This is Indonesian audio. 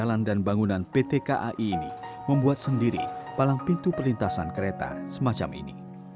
jalan dan bangunan pt kai ini membuat sendiri palang pintu perlintasan kereta semacam ini